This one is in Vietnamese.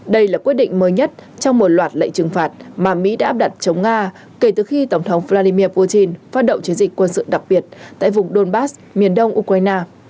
đây là quyết định mới nhất trong một loạt lệnh trừng phạt mà mỹ đã áp đặt chống nga kể từ khi tổng thống vladimir putin phát động chiến dịch quân sự đặc biệt tại vùng donbass miền đông ukraine